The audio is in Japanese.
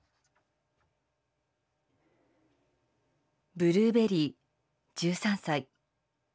ブルーベリー１３歳。